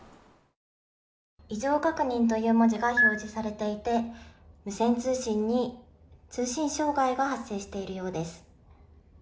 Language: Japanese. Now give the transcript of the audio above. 異常確認という文字が表示されていて、無線通信に通信障害が発生しているようです。